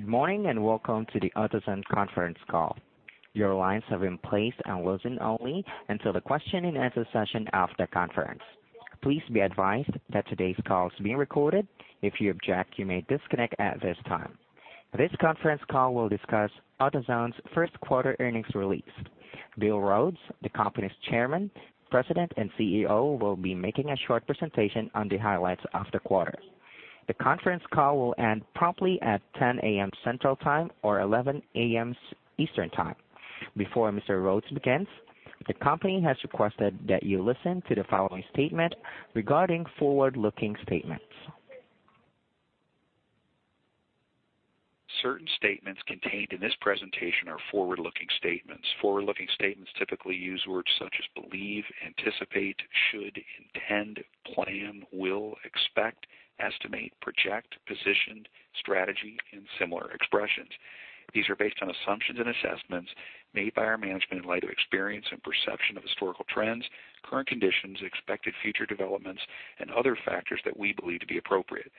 Good morning, and welcome to the AutoZone conference call. Your lines have been placed on listen-only until the question and answer session after conference. Please be advised that today's call is being recorded. If you object, you may disconnect at this time. This conference call will discuss AutoZone's first quarter earnings release. Bill Rhodes, the company's Chairman, President, and CEO, will be making a short presentation on the highlights of the quarter. The conference call will end promptly at 10:00 A.M. Central Time, or 11:00 A.M. Eastern Time. Before Mr. Rhodes begins, the company has requested that you listen to the following statement regarding forward-looking statements. Certain statements contained in this presentation are forward-looking statements. Forward-looking statements typically use words such as believe, anticipate, should, intend, plan, will, expect, estimate, project, position, strategy, and similar expressions. These are based on assumptions and assessments made by our management in light of experience and perception of historical trends, current conditions, expected future developments, and other factors that we believe to be appropriate.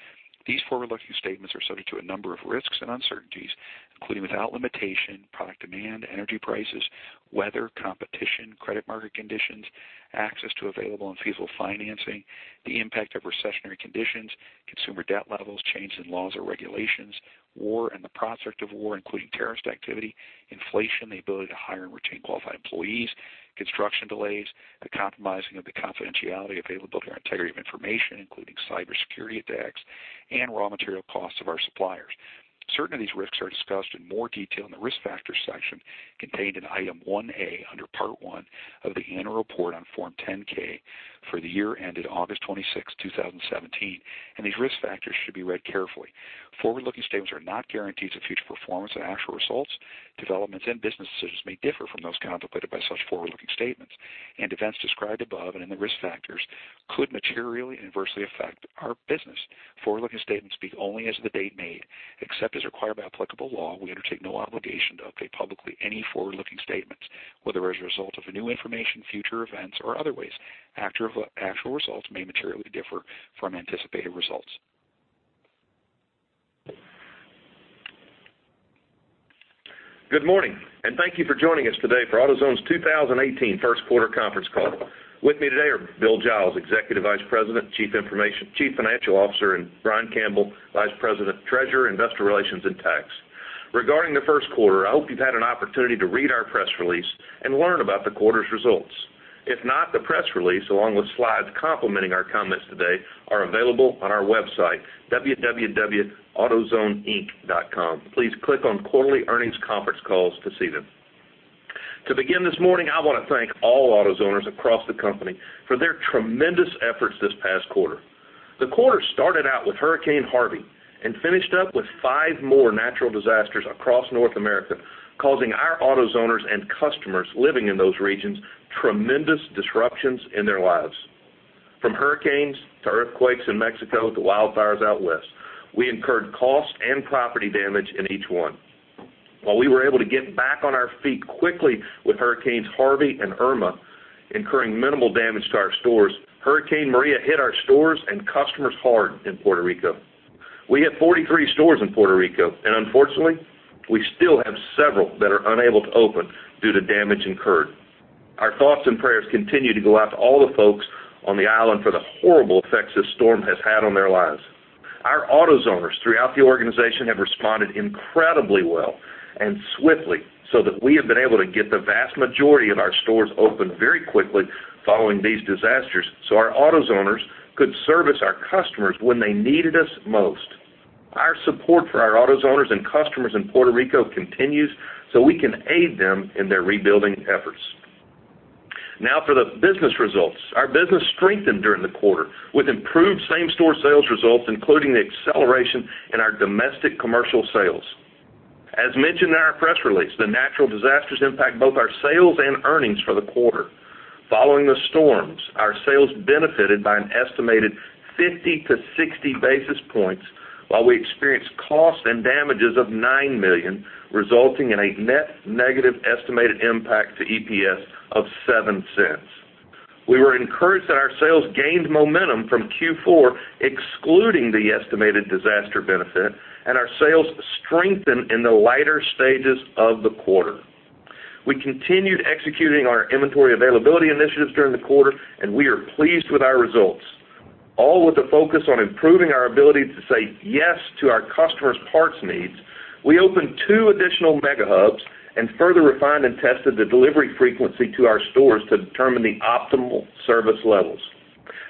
These forward-looking statements are subject to a number of risks and uncertainties, including without limitation, product demand, energy prices, weather, competition, credit market conditions, access to available and feasible financing, the impact of recessionary conditions, consumer debt levels, changes in laws or regulations, war and the prospect of war, including terrorist activity, inflation, the ability to hire and retain qualified employees, construction delays, the compromising of the confidentiality, availability, or integrity of information, including cybersecurity attacks, and raw material costs of our suppliers. Certain of these risks are discussed in more detail in the Risk Factors section contained in Item 1A under Part 1 of the annual report on Form 10-K for the year ended August 26, 2017, and these risk factors should be read carefully. Forward-looking statements are not guarantees of future performance and actual results, developments and business decisions may differ from those contemplated by such forward-looking statements, and events described above and in the risk factors could materially and adversely affect our business. Forward-looking statements speak only as of the date made. Except as required by applicable law, we undertake no obligation to update publicly any forward-looking statements, whether as a result of new information, future events, or other ways. Actual results may materially differ from anticipated results. Good morning, and thank you for joining us today for AutoZone's 2018 first quarter conference call. With me today are Bill Giles, Executive Vice President and Chief Financial Officer, and Brian Campbell, Vice President of Treasurer, Investor Relations, and Tax. Regarding the first quarter, I hope you've had an opportunity to read our press release and learn about the quarter's results. If not, the press release, along with slides complementing our comments today, are available on our website, autozoneinc.com. Please click on Quarterly Earnings Conference Calls to see them. To begin this morning, I want to thank all AutoZoners across the company for their tremendous efforts this past quarter. The quarter started out with Hurricane Harvey and finished up with five more natural disasters across North America, causing our AutoZoners and customers living in those regions tremendous disruptions in their lives. From hurricanes to earthquakes in Mexico to wildfires out west, we incurred cost and property damage in each one. While we were able to get back on our feet quickly with Hurricane Harvey and Hurricane Irma, incurring minimal damage to our stores, Hurricane Maria hit our stores and customers hard in Puerto Rico. We had 43 stores in Puerto Rico. Unfortunately, we still have several that are unable to open due to damage incurred. Our thoughts and prayers continue to go out to all the folks on the island for the horrible effects this storm has had on their lives. Our AutoZoners throughout the organization have responded incredibly well and swiftly so that we have been able to get the vast majority of our stores open very quickly following these disasters so our AutoZoners could service our customers when they needed us most. Our support for our AutoZoners and customers in Puerto Rico continues so we can aid them in their rebuilding efforts. Now for the business results. Our business strengthened during the quarter with improved same-store sales results, including the acceleration in our domestic commercial sales. As mentioned in our press release, the natural disasters impact both our sales and earnings for the quarter. Following the storms, our sales benefited by an estimated 50 to 60 basis points, while we experienced costs and damages of $9 million, resulting in a net negative estimated impact to EPS of $0.07. We were encouraged that our sales gained momentum from Q4, excluding the estimated disaster benefit. Our sales strengthened in the lighter stages of the quarter. We continued executing our inventory availability initiatives during the quarter, and we are pleased with our results. All with the focus on improving our ability to say yes to our customers' parts needs, we opened two additional mega hubs and further refined and tested the delivery frequency to our stores to determine the optimal service levels.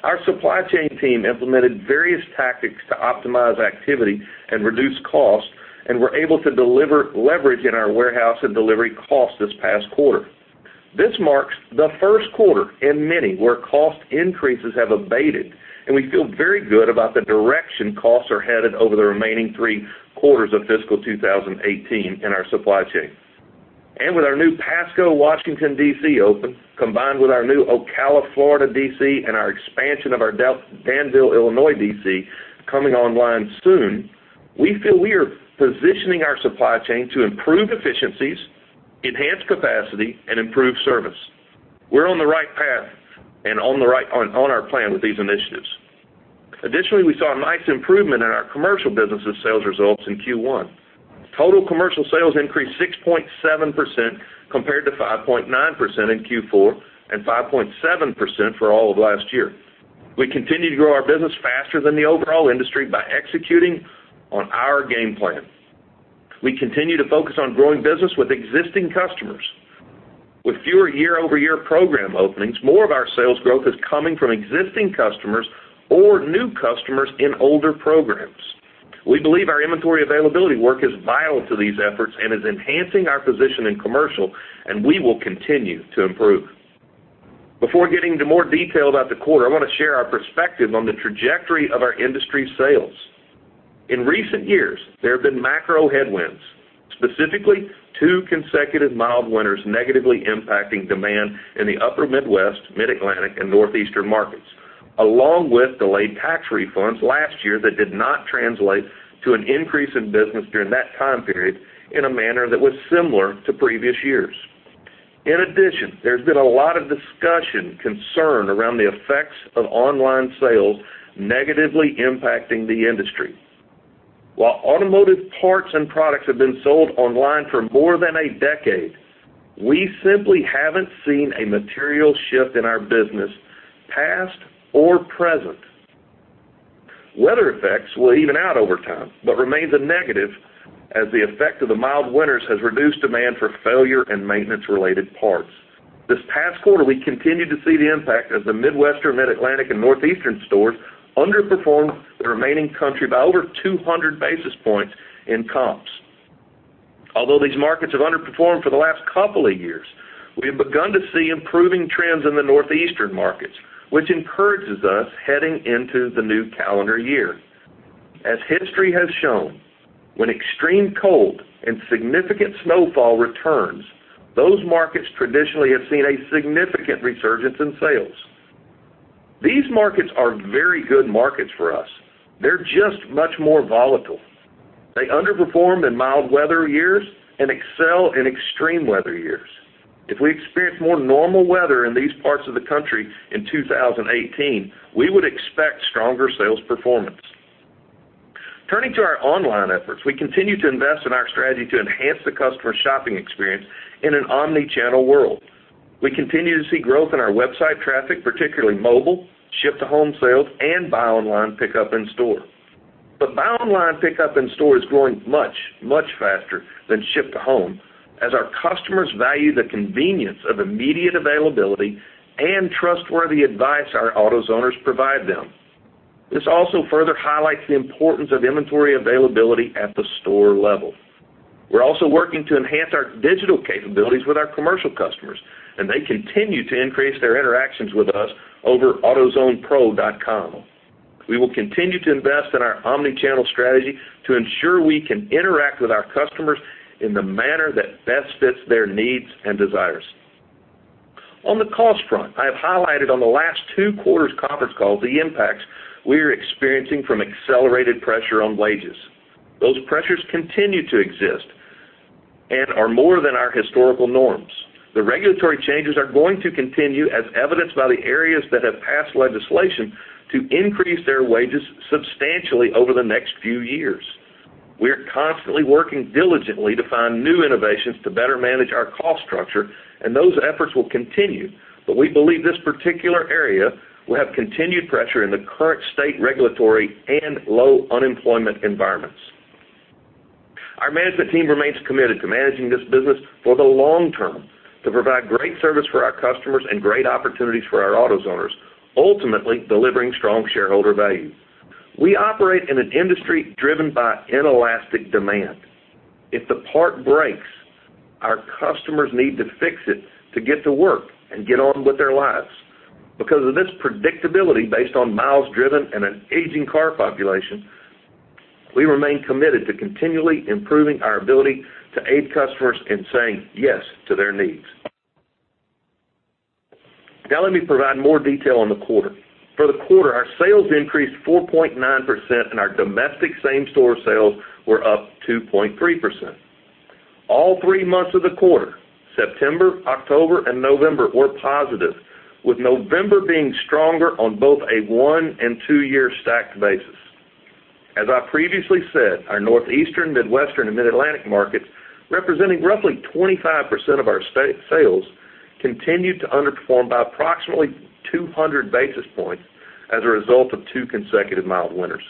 Our supply chain team implemented various tactics to optimize activity and reduce costs and were able to deliver leverage in our warehouse and delivery costs this past quarter. This marks the first quarter in many where cost increases have abated. We feel very good about the direction costs are headed over the remaining three quarters of fiscal 2018 in our supply chain. With our new Pasco, Washington DC open, combined with our new Ocala, Florida DC and our expansion of our Danville, Illinois D.C. coming online soon, we feel we are positioning our supply chain to improve efficiencies, enhance capacity, and improve service. We're on the right path and on our plan with these initiatives. Additionally, we saw a nice improvement in our commercial business with sales results in Q1. Total commercial sales increased 6.7% compared to 5.9% in Q4 and 5.7% for all of last year. We continue to grow our business faster than the overall industry by executing on our game plan. We continue to focus on growing business with existing customers. With fewer year-over-year program openings, more of our sales growth is coming from existing customers or new customers in older programs. We believe our inventory availability work is vital to these efforts and is enhancing our position in commercial. We will continue to improve. Before getting into more detail about the quarter, I want to share our perspective on the trajectory of our industry sales. In recent years, there have been macro headwinds, specifically two consecutive mild winters negatively impacting demand in the upper Midwest, mid-Atlantic, and northeastern markets, along with delayed tax refunds last year that did not translate to an increase in business during that time period in a manner that was similar to previous years. In addition, there has been a lot of discussion concerned around the effects of online sales negatively impacting the industry. While automotive parts and products have been sold online for more than a decade, we simply haven't seen a material shift in our business, past or present. Weather effects will even out over time but remains a negative as the effect of the mild winters has reduced demand for failure and maintenance-related parts. This past quarter, we continued to see the impact as the Midwestern, mid-Atlantic, and northeastern stores underperformed the remaining country by over 200 basis points in comps. Although these markets have underperformed for the last couple of years, we have begun to see improving trends in the northeastern markets, which encourages us heading into the new calendar year. As history has shown, when extreme cold and significant snowfall returns, those markets traditionally have seen a significant resurgence in sales. These markets are very good markets for us. They're just much more volatile. They underperform in mild weather years and excel in extreme weather years. If we experience more normal weather in these parts of the country in 2018, we would expect stronger sales performance. Turning to our online efforts, we continue to invest in our strategy to enhance the customer shopping experience in an omnichannel world. We continue to see growth in our website traffic, particularly mobile, ship-to-home sales, and Buy Online, Pick Up in Store. Buy Online, Pick Up in Store is growing much, much faster than ship-to-home as our customers value the convenience of immediate availability and trustworthy advice our AutoZoners provide them. This also further highlights the importance of inventory availability at the store level. We're also working to enhance our digital capabilities with our commercial customers, they continue to increase their interactions with us over autozonepro.com. We will continue to invest in our omnichannel strategy to ensure we can interact with our customers in the manner that best fits their needs and desires. On the cost front, I have highlighted on the last two quarters conference call the impacts we are experiencing from accelerated pressure on wages. Those pressures continue to exist and are more than our historical norms. The regulatory changes are going to continue as evidenced by the areas that have passed legislation to increase their wages substantially over the next few years. We are constantly working diligently to find new innovations to better manage our cost structure, those efforts will continue. We believe this particular area will have continued pressure in the current state regulatory and low unemployment environments. Our management team remains committed to managing this business for the long term, to provide great service for our customers and great opportunities for our AutoZoners, ultimately delivering strong shareholder value. We operate in an industry driven by inelastic demand. If the part breaks, our customers need to fix it to get to work and get on with their lives. Because of this predictability based on miles driven and an aging car population, we remain committed to continually improving our ability to aid customers in saying yes to their needs. Let me provide more detail on the quarter. For the quarter, our sales increased 4.9%, and our domestic same-store sales were up 2.3%. All three months of the quarter, September, October, and November, were positive, with November being stronger on both a one and two-year stacked basis. As I previously said, our northeastern, Midwestern, and mid-Atlantic markets, representing roughly 25% of our state sales, continued to underperform by approximately 200 basis points as a result of two consecutive mild winters.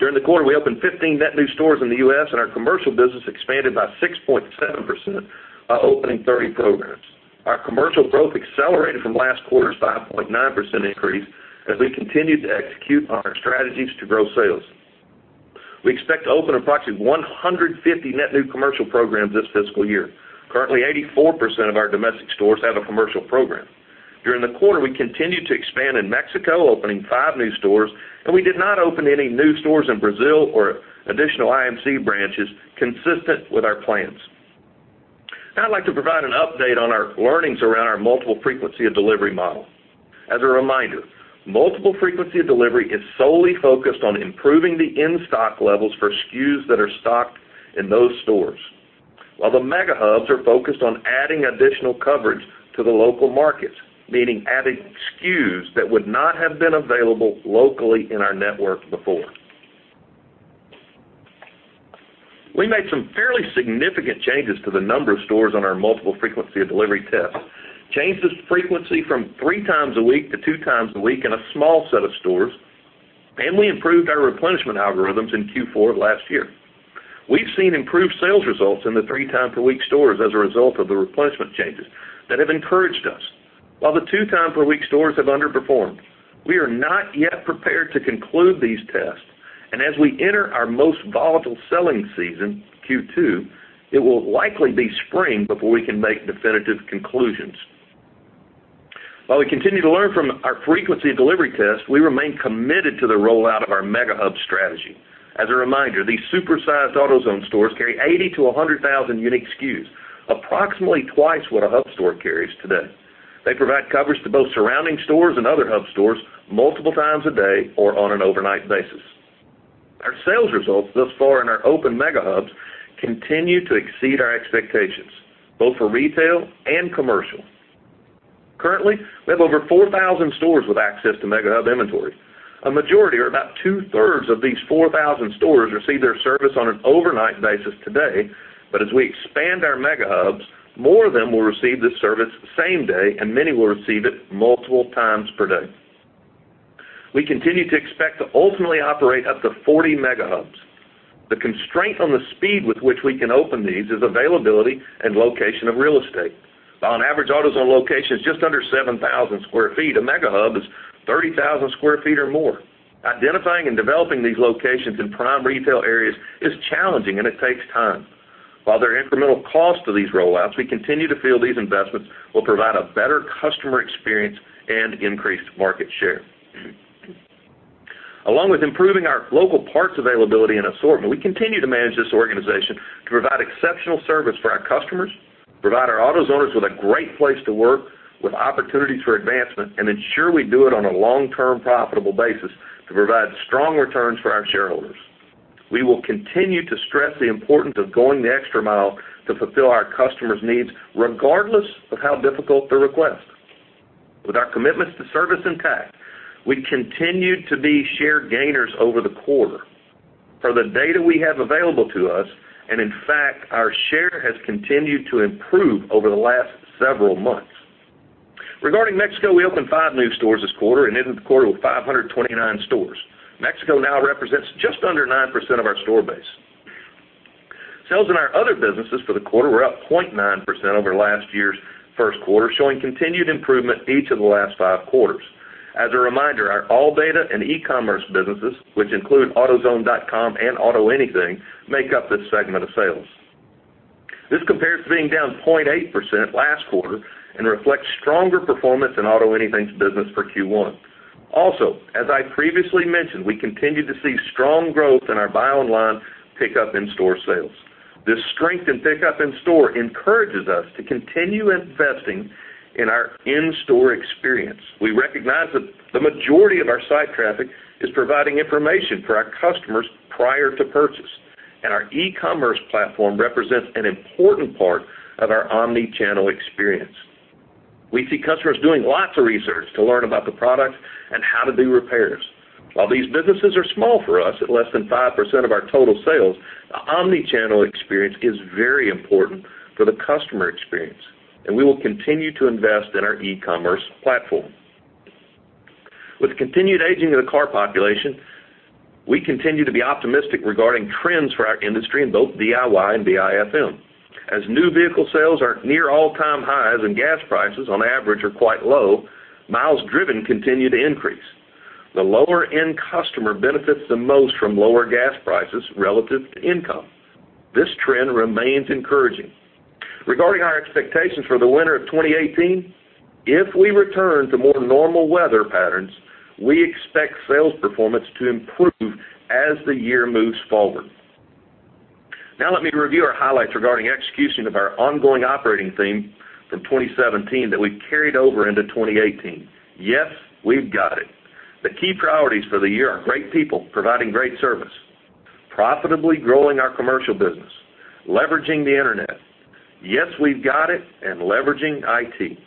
During the quarter, we opened 15 net new stores in the U.S., and our commercial business expanded by 6.7% by opening 30 programs. Our commercial growth accelerated from last quarter's 5.9% increase as we continued to execute on our strategies to grow sales. We expect to open approximately 150 net new commercial programs this fiscal year. Currently, 84% of our domestic stores have a commercial program. During the quarter, we continued to expand in Mexico, opening five new stores, and we did not open any new stores in Brazil or additional IMC branches consistent with our plans. I'd like to provide an update on our learnings around our multiple frequency of delivery model. As a reminder, multiple frequency of delivery is solely focused on improving the in-stock levels for SKUs that are stocked in those stores while the mega hubs are focused on adding additional coverage to the local markets, meaning adding SKUs that would not have been available locally in our network before. We made some fairly significant changes to the number of stores on our multiple frequency of delivery test, changed this frequency from three times a week to two times a week in a small set of stores, and we improved our replenishment algorithms in Q4 last year. We've seen improved sales results in the three-times-per-week stores as a result of the replenishment changes that have encouraged us. While the two-times-per-week stores have underperformed, we are not yet prepared to conclude these tests, and as we enter our most volatile selling season, Q2, it will likely be spring before we can make definitive conclusions. While we continue to learn from our frequency of delivery test, we remain committed to the rollout of our mega hub strategy. As a reminder, these super-sized AutoZone stores carry 80 to 100,000 unique SKUs, approximately twice what a hub store carries today. They provide coverage to both surrounding stores and other hub stores multiple times a day or on an overnight basis. Our sales results thus far in our open mega hubs continue to exceed our expectations, both for retail and commercial. Currently, we have over 4,000 stores with access to mega hub inventory. A majority or about two-thirds of these 4,000 stores receive their service on an overnight basis today, but as we expand our mega hubs, more of them will receive this service same day, and many will receive it multiple times per day. We continue to expect to ultimately operate up to 40 mega hubs. The constraint on the speed with which we can open these is availability and location of real estate. While an average AutoZone location is just under 7,000 sq ft, a mega hub is 30,000 sq ft or more. Identifying and developing these locations in prime retail areas is challenging, and it takes time. While there are incremental costs to these rollouts, we continue to feel these investments will provide a better customer experience and increased market share. Along with improving our local parts availability and assortment, we continue to manage this organization to provide exceptional service for our customers, provide our AutoZoners with a great place to work with opportunities for advancement, and ensure we do it on a long-term profitable basis to provide strong returns for our shareholders. We will continue to stress the importance of going the extra mile to fulfill our customers' needs, regardless of how difficult the request. With our commitments to service intact, we continued to be share gainers over the quarter. For the data we have available to us, in fact, our share has continued to improve over the last several months. Regarding Mexico, we opened five new stores this quarter and ended the quarter with 529 stores. Mexico now represents just under 9% of our store base. Sales in our other businesses for the quarter were up 0.9% over last year's first quarter, showing continued improvement each of the last five quarters. As a reminder, our ALLDATA and e-commerce businesses, which include autozone.com and AutoAnything, make up this segment of sales. This compares to being down 0.8% last quarter and reflects stronger performance in AutoAnything's business for Q1. As I previously mentioned, we continue to see strong growth in our Buy Online, Pick Up in Store sales. This strength in Buy Online, Pick Up in Store encourages us to continue investing in our in-store experience. We recognize that the majority of our site traffic is providing information for our customers prior to purchase, our e-commerce platform represents an important part of our omnichannel experience. We see customers doing lots of research to learn about the product and how to do repairs. While these businesses are small for us at less than 5% of our total sales, the omnichannel experience is very important for the customer experience, we will continue to invest in our e-commerce platform. With the continued aging of the car population, we continue to be optimistic regarding trends for our industry in both DIY and DIFM. As new vehicle sales are near all-time highs and gas prices on average are quite low, miles driven continue to increase. The lower-end customer benefits the most from lower gas prices relative to income. This trend remains encouraging. Regarding our expectations for the winter of 2018, if we return to more normal weather patterns, we expect sales performance to improve as the year moves forward. Now let me review our highlights regarding execution of our ongoing operating theme from 2017 that we carried over into 2018. Yes, We've Got It. The key priorities for the year are great people providing great service, profitably growing our commercial business, leveraging the Internet. Yes, We've Got It, leveraging IT.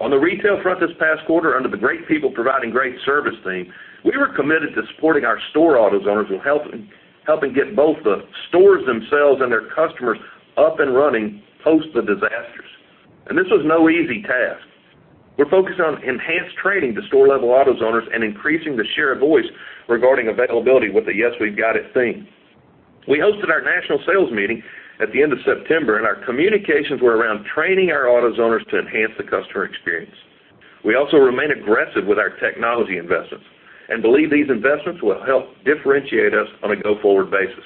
On the retail front this past quarter, under the great people providing great service theme, we were committed to supporting our store AutoZoners with helping get both the stores themselves and their customers up and running post the disasters. This was no easy task. We're focused on enhanced training to store-level AutoZoners and increasing the share of voice regarding availability with the Yes, We've Got It theme. We hosted our national sales meeting at the end of September. Our communications were around training our AutoZoners to enhance the customer experience. We also remain aggressive with our technology investments and believe these investments will help differentiate us on a go-forward basis.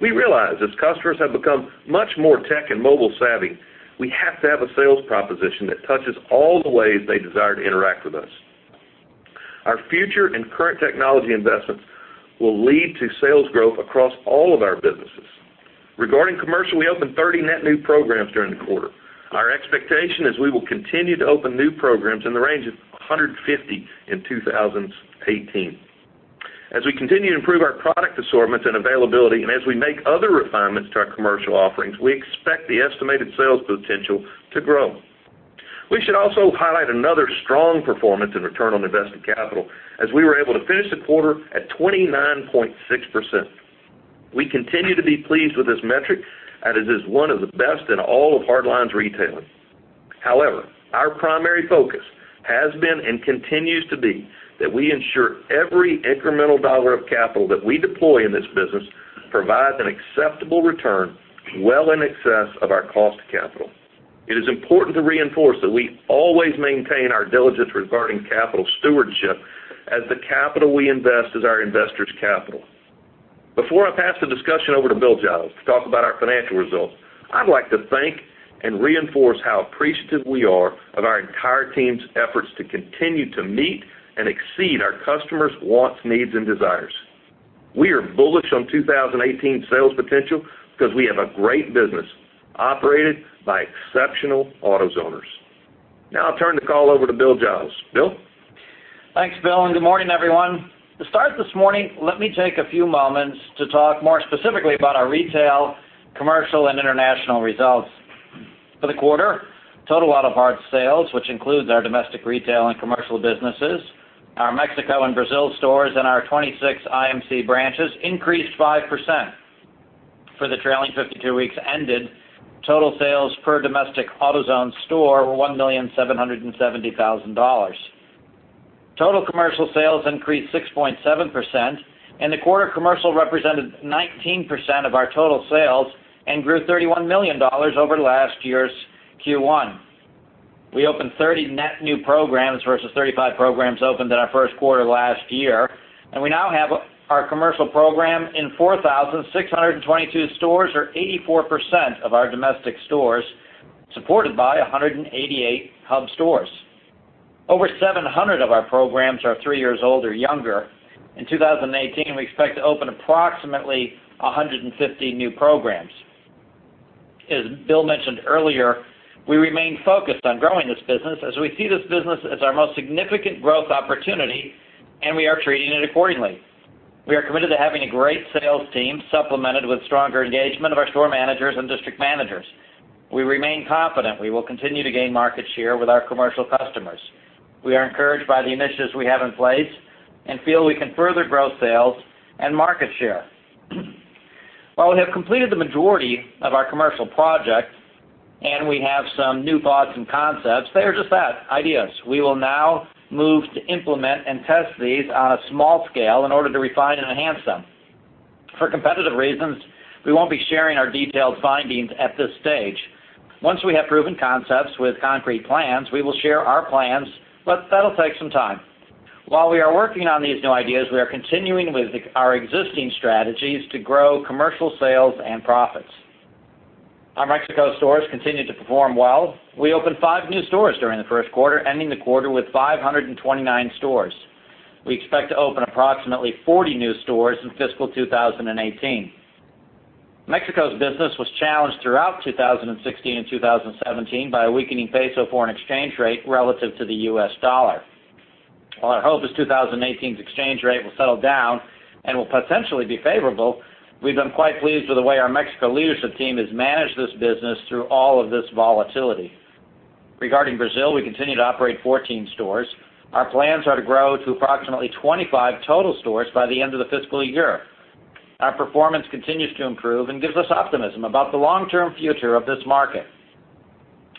We realize as customers have become much more tech and mobile savvy, we have to have a sales proposition that touches all the ways they desire to interact with us. Our future and current technology investments will lead to sales growth across all of our businesses. Regarding commercial, we opened 30 net new programs during the quarter. Our expectation is we will continue to open new programs in the range of 150 in 2018. We continue to improve our product assortments and availability, and as we make other refinements to our commercial offerings, we expect the estimated sales potential to grow. We should also highlight another strong performance in return on invested capital, as we were able to finish the quarter at 29.6%. We continue to be pleased with this metric as it is one of the best in all of hardlines retailing. Our primary focus has been and continues to be that we ensure every incremental dollar of capital that we deploy in this business provides an acceptable return well in excess of our cost of capital. It is important to reinforce that we always maintain our diligence regarding capital stewardship as the capital we invest is our investors' capital. Before I pass the discussion over to Bill Giles to talk about our financial results, I'd like to thank and reinforce how appreciative we are of our entire team's efforts to continue to meet and exceed our customers' wants, needs, and desires. We are bullish on 2018 sales potential because we have a great business operated by exceptional AutoZoners. I'll turn the call over to Bill Giles. Bill? Thanks, Bill. Good morning, everyone. To start this morning, let me take a few moments to talk more specifically about our retail, commercial, and international results. For the quarter, total auto parts sales, which includes our domestic retail and commercial businesses, our Mexico and Brazil stores, and our 26 IMC branches, increased 5%. For the trailing 52 weeks ended, total sales per domestic AutoZone store were $1,770,000. Total commercial sales increased 6.7%. The quarter commercial represented 19% of our total sales and grew $31 million over last year's Q1. We opened 30 net new programs versus 35 programs opened in our first quarter of last year. We now have our commercial program in 4,622 stores or 84% of our domestic stores, supported by 188 hub stores. Over 700 of our programs are three years old or younger. In 2018, we expect to open approximately 150 new programs. As Bill mentioned earlier, we remain focused on growing this business as we see this business as our most significant growth opportunity, and we are treating it accordingly. We are committed to having a great sales team supplemented with stronger engagement of our store managers and district managers. We remain confident we will continue to gain market share with our commercial customers. We are encouraged by the initiatives we have in place and feel we can further grow sales and market share. While we have completed the majority of our commercial projects and we have some new thoughts and concepts, they are just that, ideas. We will now move to implement and test these on a small scale in order to refine and enhance them. For competitive reasons, we won't be sharing our detailed findings at this stage. Once we have proven concepts with concrete plans, we will share our plans. That'll take some time. While we are working on these new ideas, we are continuing with our existing strategies to grow commercial sales and profits. Our Mexico stores continue to perform well. We opened five new stores during the first quarter, ending the quarter with 529 stores. We expect to open approximately 40 new stores in fiscal 2018. Mexico's business was challenged throughout 2016 and 2017 by a weakening peso foreign exchange rate relative to the US dollar. While our hope is 2018's exchange rate will settle down and will potentially be favorable, we've been quite pleased with the way our Mexico leadership team has managed this business through all of this volatility. Regarding Brazil, we continue to operate 14 stores. Our plans are to grow to approximately 25 total stores by the end of the fiscal year. Our performance continues to improve and gives us optimism about the long-term future of this market.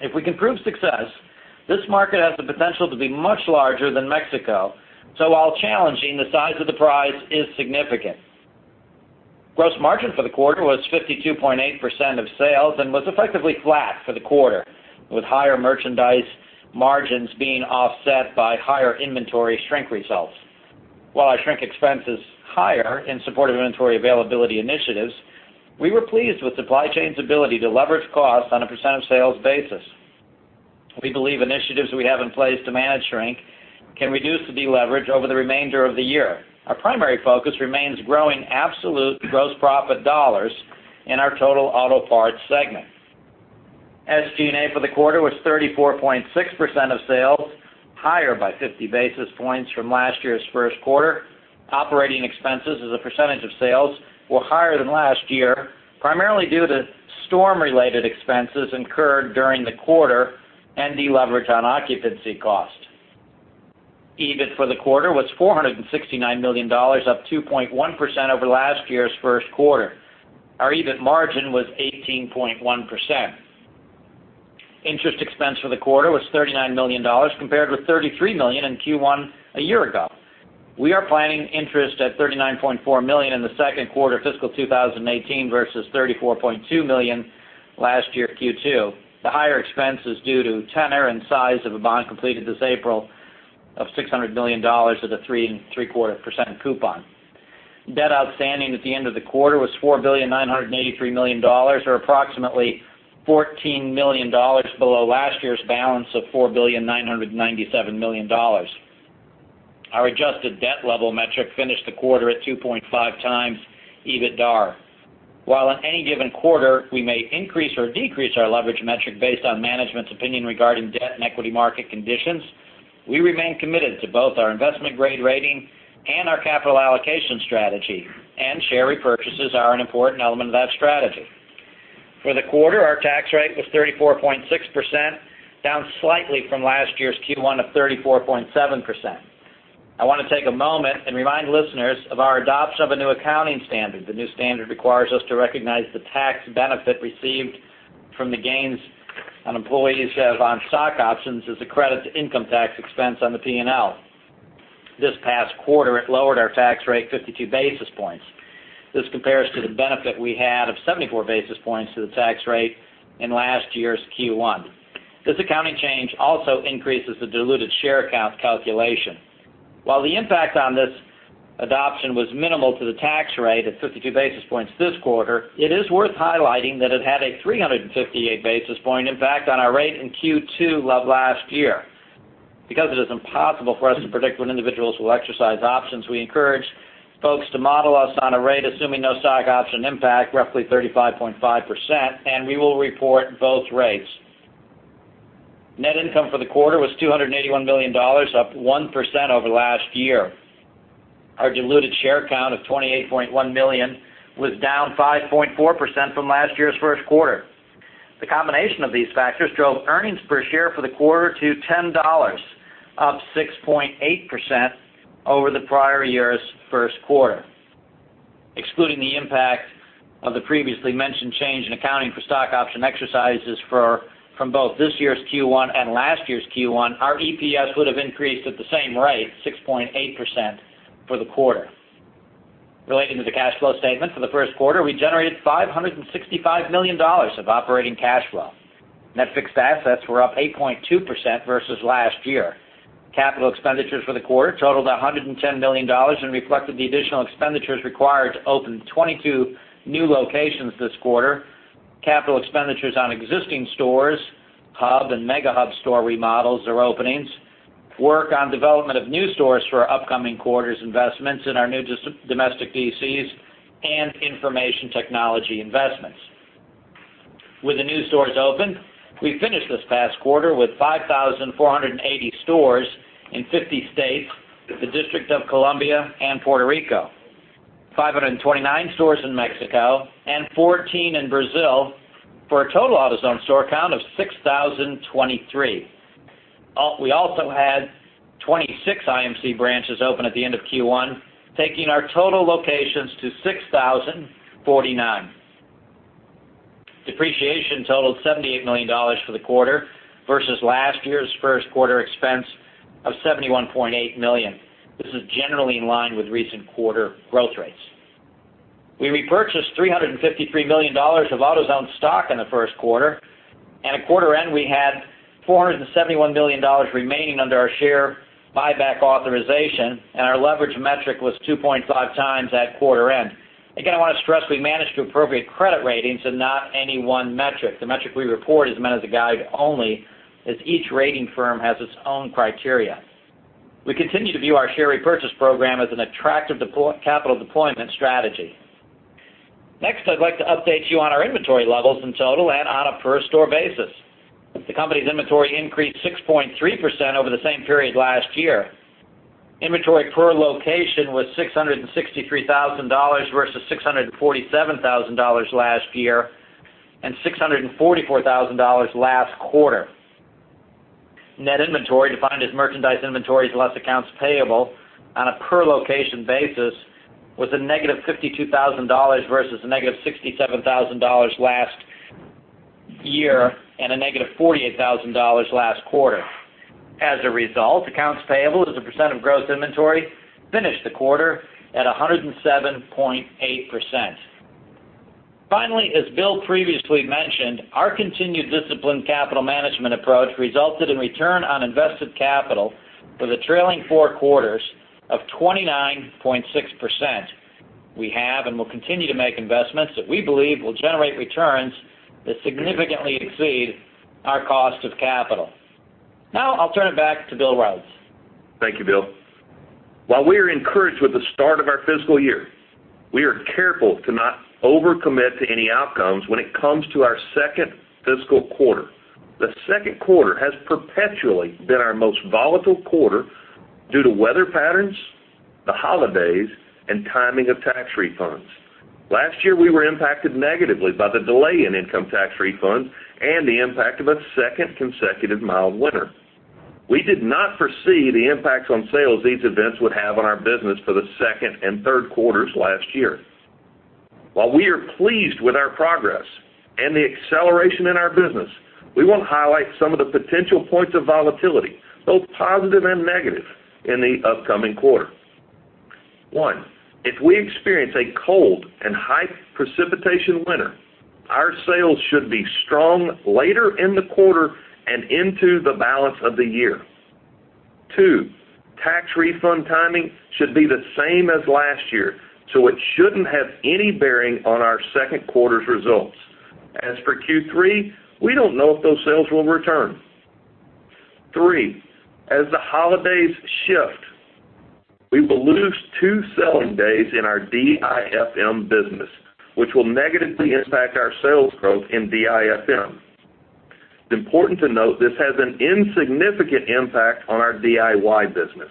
If we can prove success, this market has the potential to be much larger than Mexico. While challenging, the size of the prize is significant. Gross margin for the quarter was 52.8% of sales and was effectively flat for the quarter, with higher merchandise margins being offset by higher inventory shrink results. While our shrink expense is higher in support of inventory availability initiatives, we were pleased with supply chain's ability to leverage costs on a % of sales basis. We believe initiatives we have in place to manage shrink can reduce the leverage over the remainder of the year. Our primary focus remains growing absolute gross profit dollars in our total auto parts segment. SG&A for the quarter was 34.6% of sales, higher by 50 basis points from last year's first quarter. Operating expenses as a % of sales were higher than last year, primarily due to storm-related expenses incurred during the quarter and deleverage on occupancy cost. EBIT for the quarter was $469 million, up 2.1% over last year's first quarter. Our EBIT margin was 18.1%. Interest expense for the quarter was $39 million compared with $33 million in Q1 a year ago. We are planning interest at $39.4 million in the second quarter fiscal 2018 versus $34.2 million last year Q2. The higher expense is due to tenor and size of a bond completed this April of $600 million at a 3.75% coupon. Debt outstanding at the end of the quarter was $4.983 billion or approximately $14 million below last year's balance of $4.997 billion. Our adjusted debt level metric finished the quarter at 2.5 times EBITDAR. While on any given quarter, we may increase or decrease our leverage metric based on management's opinion regarding debt and equity market conditions, we remain committed to both our investment-grade rating and our capital allocation strategy. Share repurchases are an important element of that strategy. For the quarter, our tax rate was 34.6%, down slightly from last year's Q1 of 34.7%. I want to take a moment and remind listeners of our adoption of a new accounting standard. The new standard requires us to recognize the tax benefit received from the gains on employees have on stock options as a credit to income tax expense on the P&L. This past quarter, it lowered our tax rate 52 basis points. This compares to the benefit we had of 74 basis points to the tax rate in last year's Q1. This accounting change also increases the diluted share count calculation. While the impact on this adoption was minimal to the tax rate at 52 basis points this quarter, it is worth highlighting that it had a 358 basis point impact on our rate in Q2 of last year. Because it is impossible for us to predict when individuals will exercise options, we encourage folks to model us on a rate assuming no stock option impact, roughly 35.5%, and we will report both rates. Net income for the quarter was $281 million, up 1% over last year. Our diluted share count of 28.1 million was down 5.4% from last year's first quarter. The combination of these factors drove earnings per share for the quarter to $10, up 6.8% over the prior year's first quarter. Excluding the impact of the previously mentioned change in accounting for stock option exercises from both this year's Q1 and last year's Q1, our EPS would have increased at the same rate, 6.8%, for the quarter. Relating to the cash flow statement for the first quarter, we generated $565 million of operating cash flow. Net fixed assets were up 8.2% versus last year. Capital expenditures for the quarter totaled $110 million and reflected the additional expenditures required to open 22 new locations this quarter. Capital expenditures on existing stores, hub and mega hub store remodels or openings, work on development of new stores for upcoming quarters investments in our new domestic DCs, information technology investments. With the new stores open, we finished this past quarter with 5,480 stores in 50 states, the District of Columbia and Puerto Rico, 529 stores in Mexico, and 14 in Brazil, for a total AutoZone store count of 6,023. We also had 26 IMC branches open at the end of Q1, taking our total locations to 6,049. Depreciation totaled $78 million for the quarter versus last year's first quarter expense of $71.8 million. This is generally in line with recent quarter growth rates. We repurchased $353 million of AutoZone stock in the first quarter, and at quarter end, we had $471 million remaining under our share buyback authorization, and our leverage metric was 2.5 times at quarter end. Again, I want to stress we manage to appropriate credit ratings and not any one metric. The metric we report is meant as a guide only, as each rating firm has its own criteria. We continue to view our share repurchase program as an attractive capital deployment strategy. Next, I'd like to update you on our inventory levels in total and on a per store basis. The company's inventory increased 6.3% over the same period last year. Inventory per location was $663,000 versus $647,000 last year and $644,000 last quarter. Net inventory, defined as merchandise inventories less accounts payable on a per-location basis, was a negative $52,000 versus a negative $67,000 last year and a negative $48,000 last quarter. As a result, accounts payable as a percent of gross inventory finished the quarter at 107.8%. Finally, as Bill previously mentioned, our continued disciplined capital management approach resulted in return on invested capital for the trailing four quarters of 29.6%. We have and will continue to make investments that we believe will generate returns that significantly exceed our cost of capital. Now I'll turn it back to Bill Rhodes. Thank you, Bill. While we are encouraged with the start of our fiscal year, we are careful to not overcommit to any outcomes when it comes to our second fiscal quarter. The second quarter has perpetually been our most volatile quarter due to weather patterns, the holidays, and timing of tax refunds. Last year, we were impacted negatively by the delay in income tax refunds and the impact of a second consecutive mild winter. We did not foresee the impacts on sales these events would have on our business for the second and third quarters last year. While we are pleased with our progress and the acceleration in our business, we want to highlight some of the potential points of volatility, both positive and negative, in the upcoming quarter. One, if we experience a cold and high precipitation winter, our sales should be strong later in the quarter and into the balance of the year. Two, tax refund timing should be the same as last year, so it shouldn't have any bearing on our second quarter's results. As for Q3, we don't know if those sales will return. Three, as the holidays shift, we will lose two selling days in our DIFM business, which will negatively impact our sales growth in DIFM. It's important to note this has an insignificant impact on our DIY business.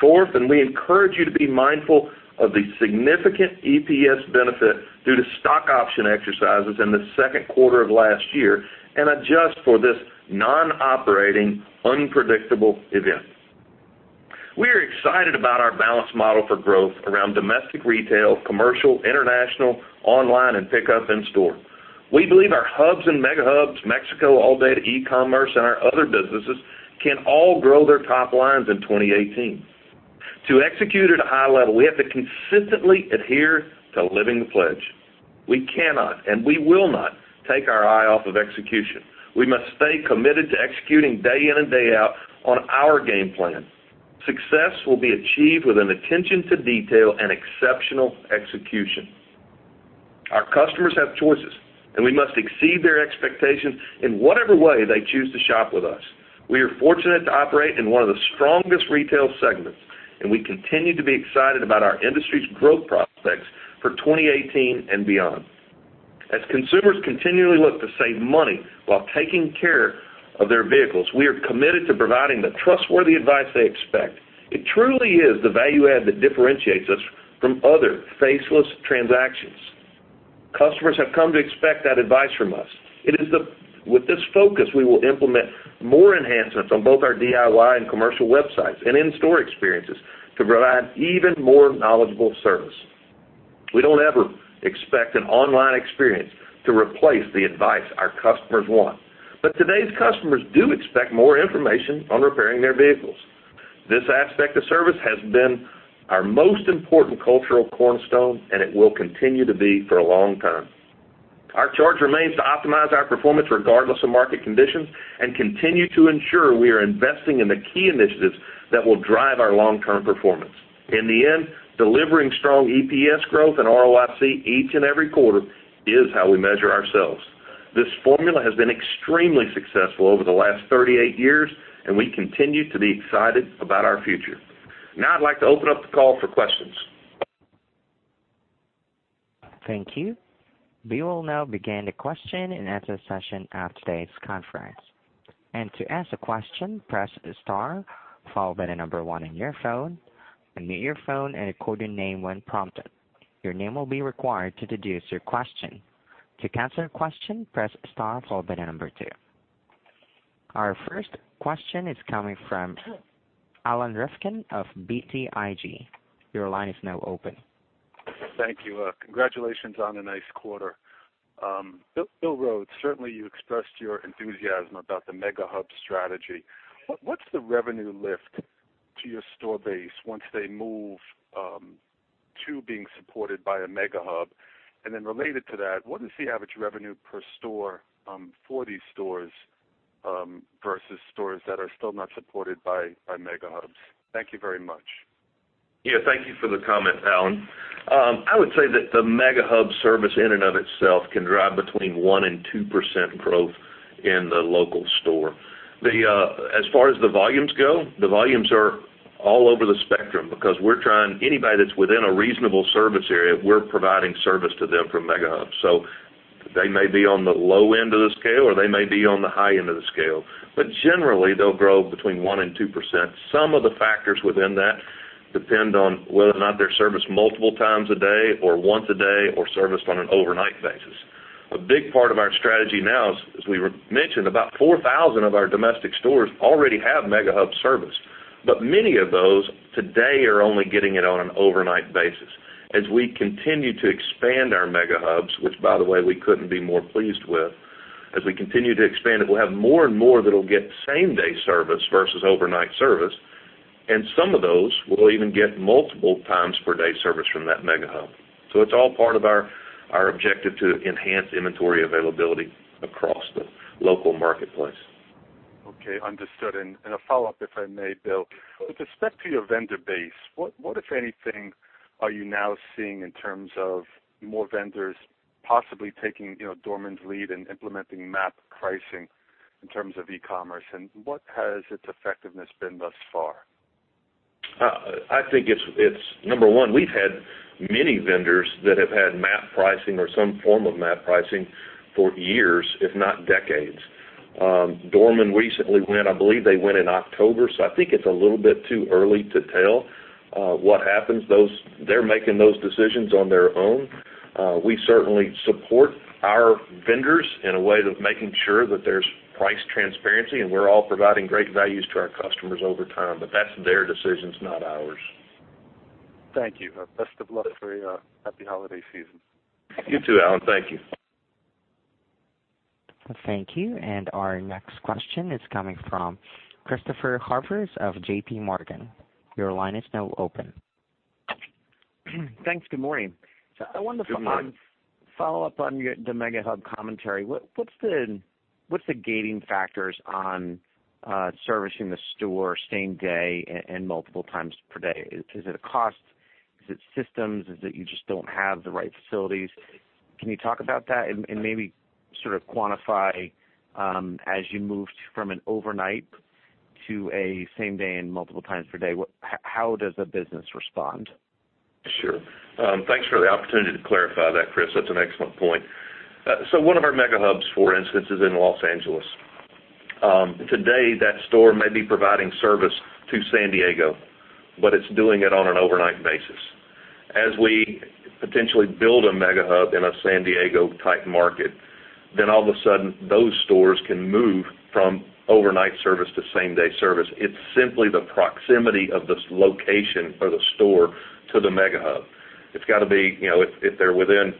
Fourth, we encourage you to be mindful of the significant EPS benefit due to stock option exercises in the second quarter of last year and adjust for this non-operating unpredictable event. We are excited about our balanced model for growth around domestic retail, commercial, international, online, and pickup in store. We believe our hubs and mega hubs, Mexico, ALLDATA, e-commerce, and our other businesses can all grow their top lines in 2018. To execute at a high level, we have to consistently adhere to Living the Pledge. We cannot, and we will not take our eye off of execution. We must stay committed to executing day in and day out on our game plan. Success will be achieved with an attention to detail and exceptional execution. Our customers have choices, and we must exceed their expectations in whatever way they choose to shop with us. We are fortunate to operate in one of the strongest retail segments, and we continue to be excited about our industry's growth prospects for 2018 and beyond. As consumers continually look to save money while taking care of their vehicles, we are committed to providing the trustworthy advice they expect. It truly is the value add that differentiates us from other faceless transactions. Customers have come to expect that advice from us. With this focus, we will implement more enhancements on both our DIY and commercial websites and in-store experiences to provide even more knowledgeable service. We don't ever expect an online experience to replace the advice our customers want. Today's customers do expect more information on repairing their vehicles. This aspect of service has been our most important cultural cornerstone, and it will continue to be for a long time. Our charge remains to optimize our performance regardless of market conditions and continue to ensure we are investing in the key initiatives that will drive our long-term performance. In the end, delivering strong EPS growth and ROIC each and every quarter is how we measure ourselves. This formula has been extremely successful over the last 38 years, and we continue to be excited about our future. Now I'd like to open up the call for questions. Thank you. We will now begin the question and answer session of today's conference. To ask a question, press star, followed by the number one on your phone. Unmute your phone and record your name when prompted. Your name will be required to deduce your question. To cancel your question, press star followed by the number two. Our first question is coming from Alan Rifkin of BTIG. Your line is now open. Thank you. Congratulations on a nice quarter. Bill Rhodes, certainly you expressed your enthusiasm about the mega hub strategy. What's the revenue lift to your store base once they move to being supported by a mega hub? Related to that, what is the average revenue per store for these stores versus stores that are still not supported by mega hubs? Thank you very much. Yeah, thank you for the comment, Alan. I would say that the mega hub service in and of itself can drive between one and 2% growth in the local store. Far as the volumes go, the volumes are all over the spectrum because we're trying anybody that's within a reasonable service area, we're providing service to them from mega hubs. They may be on the low end of the scale, or they may be on the high end of the scale. Generally, they'll grow between one and 2%. Some of the factors within that depend on whether or not they're serviced multiple times a day or once a day or serviced on an overnight basis. A big part of our strategy now is, as we mentioned, about 4,000 of our domestic stores already have mega hub service, many of those today are only getting it on an overnight basis. We continue to expand our mega hubs, which by the way, we couldn't be more pleased with, we continue to expand it, we'll have more and more that'll get same day service versus overnight service, and some of those will even get multiple times per day service from that mega hub. It's all part of our objective to enhance inventory availability across the local marketplace. Okay, understood. A follow-up, if I may, Bill. With respect to your vendor base, what if anything are you now seeing in terms of more vendors possibly taking Dorman's lead and implementing MAP pricing in terms of e-commerce? What has its effectiveness been thus far? I think it's number one, we've had many vendors that have had MAP pricing or some form of MAP pricing for years, if not decades. Dorman recently went, I believe they went in October, so I think it's a little bit too early to tell what happens. They're making those decisions on their own. We certainly support our vendors in a way of making sure that there's price transparency, and we're all providing great values to our customers over time. That's their decisions, not ours. Thank you. Best of luck for a happy holiday season. You too, Alan. Thank you. Thank you. Our next question is coming from Christopher Horvers of JPMorgan. Your line is now open. Thanks. Good morning. Good morning. I wanted to follow up on the mega hub commentary. What's the gating factors on servicing the store same day and multiple times per day? Is it a cost thing? Is it systems? Is it you just don't have the right facilities? Can you talk about that and maybe sort of quantify as you moved from an overnight to a same-day and multiple times per day, how does the business respond? Sure. Thanks for the opportunity to clarify that, Chris. That's an excellent point. One of our mega hubs, for instance, is in Los Angeles. Today that store may be providing service to San Diego, but it's doing it on an overnight basis. As we potentially build a mega hub in a San Diego type market, all of a sudden those stores can move from overnight service to same-day service. It's simply the proximity of this location or the store to the mega hub. If they're within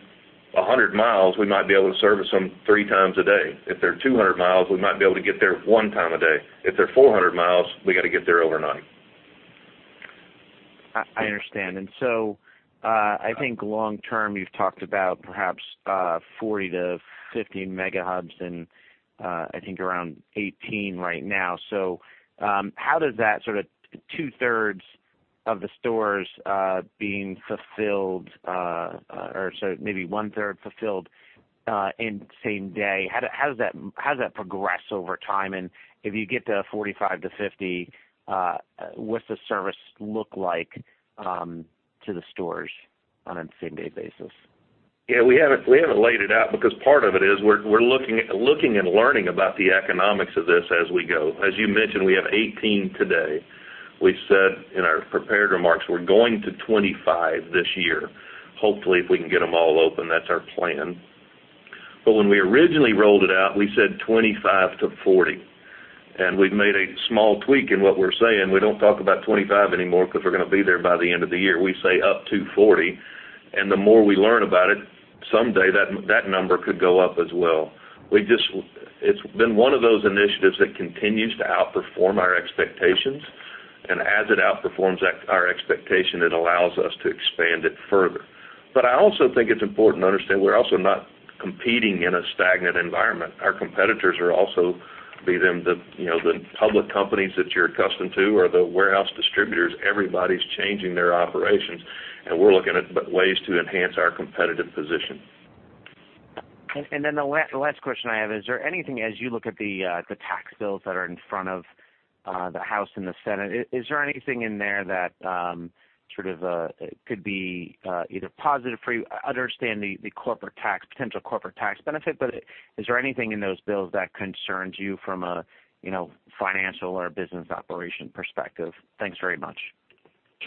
100 miles, we might be able to service them three times a day. If they're 200 miles, we might be able to get there one time a day. If they're 400 miles, we got to get there overnight. I understand. I think long term, you've talked about perhaps 40 to 50 mega hubs and I think around 18 right now. How does that sort of two-thirds of the stores being fulfilled or sorry, maybe one-third fulfilled in same day. How does that progress over time? If you get to 45 to 50, what's the service look like to the stores on a same-day basis? Yeah, we haven't laid it out because part of it is we're looking and learning about the economics of this as we go. As you mentioned, we have 18 today. We said in our prepared remarks, we're going to 25 this year. Hopefully, if we can get them all open, that's our plan. When we originally rolled it out, we said 25 to 40, we've made a small tweak in what we're saying. We don't talk about 25 anymore because we're going to be there by the end of the year. We say up to 40, the more we learn about it, someday that number could go up as well. It's been one of those initiatives that continues to outperform our expectations, as it outperforms our expectation, it allows us to expand it further. I also think it's important to understand we're also not competing in a stagnant environment. Our competitors are also be them the public companies that you're accustomed to or the warehouse distributors. Everybody's changing their operations, we're looking at ways to enhance our competitive position. The last question I have, is there anything as you look at the tax bills that are in front of the House and the Senate, is there anything in there that sort of could be either positive for you? I understand the potential corporate tax benefit, is there anything in those bills that concerns you from a financial or business operation perspective? Thanks very much.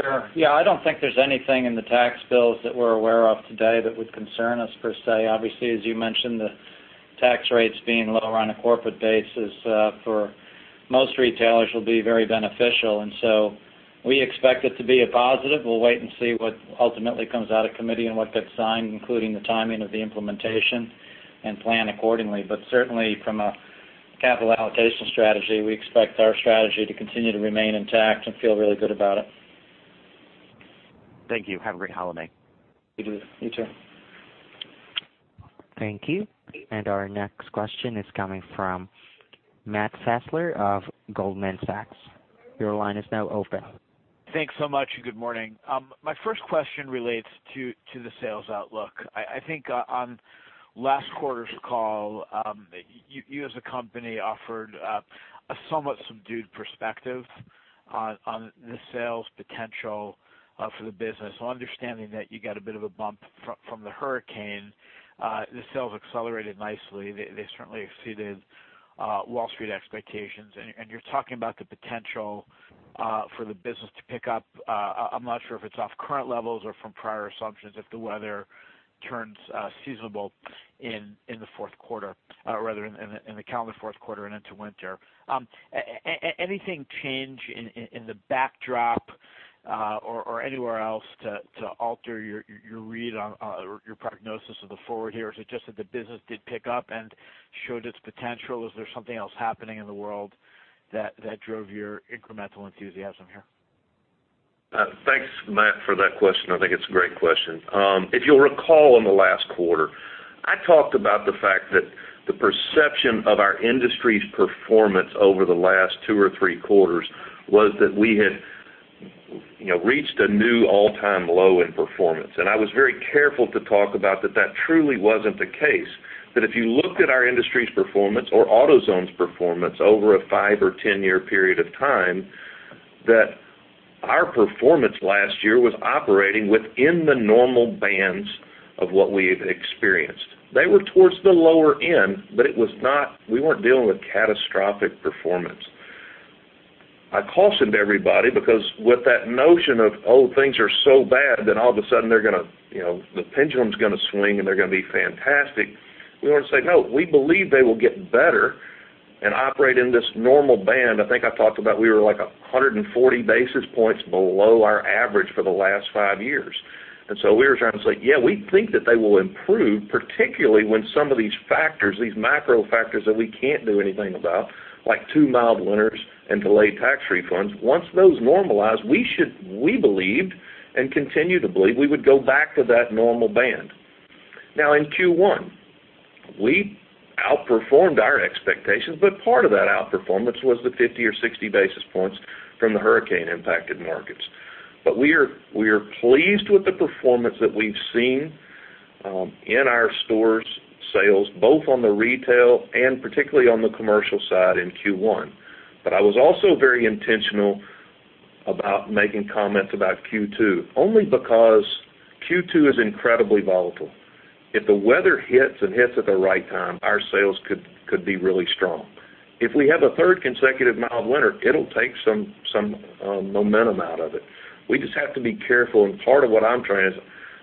I don't think there's anything in the tax bills that we're aware of today that would concern us per se. As you mentioned, the tax rates being lower on a corporate basis for most retailers will be very beneficial. We expect it to be a positive. We'll wait and see what ultimately comes out of committee and what gets signed, including the timing of the implementation and plan accordingly. Certainly from a capital allocation strategy, we expect our strategy to continue to remain intact and feel really good about it. Thank you. Have a great holiday. You too. You too. Thank you. Our next question is coming from Matt Fassler of Goldman Sachs. Your line is now open. Thanks so much. Good morning. My first question relates to the sales outlook. I think on last quarter's call, you as a company offered a somewhat subdued perspective on the sales potential for the business. Understanding that you got a bit of a bump from the hurricane, the sales accelerated nicely. They certainly exceeded Wall Street expectations. You're talking about the potential for the business to pick up. I'm not sure if it's off current levels or from prior assumptions if the weather turns seasonable in the fourth quarter rather than in the calendar fourth quarter and into winter. Anything change in the backdrop or anywhere else to alter your read on or your prognosis of the forward here? Is it just that the business did pick up and showed its potential? Is there something else happening in the world that drove your incremental enthusiasm here? Thanks, Matt, for that question. I think it's a great question. If you'll recall in the last quarter, I talked about the fact that the perception of our industry's performance over the last two or three quarters was that we had reached a new all-time low in performance. I was very careful to talk about that that truly wasn't the case. If you looked at our industry's performance or AutoZone's performance over a five or ten-year period of time, that our performance last year was operating within the normal bands of what we've experienced. They were towards the lower end, but we weren't dealing with catastrophic performance. I cautioned everybody because with that notion of, oh, things are so bad, then all of a sudden the pendulum's going to swing and they're going to be fantastic. We want to say, no, we believe they will get better and operate in this normal band. I think I talked about we were like a 140 basis points below our average for the last five years. We were trying to say, yeah, we think that they will improve, particularly when some of these factors, these macro factors that we can't do anything about, like two mild winters and delayed tax refunds. Once those normalize, we believed and continue to believe we would go back to that normal band. In Q1 We outperformed our expectations, but part of that outperformance was the 50 or 60 basis points from the hurricane-impacted markets. We are pleased with the performance that we've seen in our stores sales, both on the retail and particularly on the commercial side in Q1. I was also very intentional about making comments about Q2 only because Q2 is incredibly volatile. If the weather hits and hits at the right time, our sales could be really strong. If we have a third consecutive mild winter, it'll take some momentum out of it. We just have to be careful, and part of what I'm trying is,